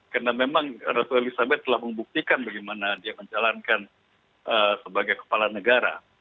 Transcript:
karena memang ratu elisabeth telah membuktikan bagaimana dia menjalankan sebagai kepala negara